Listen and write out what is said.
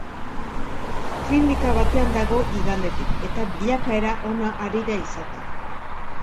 Klinika batean dago igandetik, eta bilakaera ona ari da izaten.